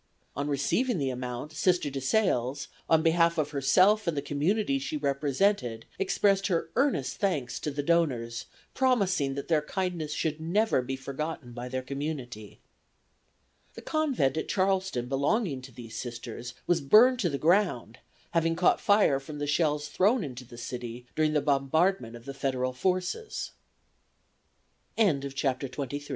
On receiving the amount Sister DeSales, on behalf of herself and the community she represented, expressed her earnest thanks to the donors, promising that their kindness should never be forgotten by their community." The Convent at Charleston belonging to these Sisters was burned to the ground, having caught fire from the shells thrown into the city during the bombardment of the Federal forces. CHAPTER XXIV. SISTERS OF ST. JOSEPH.